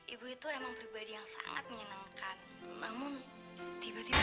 ibu itu emang pribadi yang sangat menyenangkan namun tiba tiba